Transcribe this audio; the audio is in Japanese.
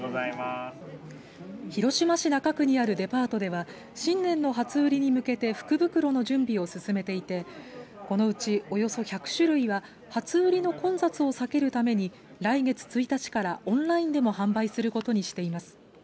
広島市中区にあるデパートでは新年の初売りに向けて福袋の準備を進めていてこのうち、およそ１００種類は初売りの混雑を避けるために来月１日からオンラインでも販売することにしています。